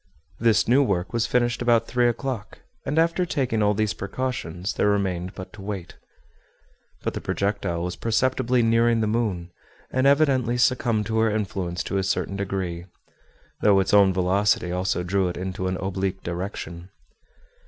This new work was finished about three o'clock, and after taking all these precautions there remained but to wait. But the projectile was perceptibly nearing the moon, and evidently succumbed to her influence to a certain degree; though its own velocity also drew it in an oblique direction.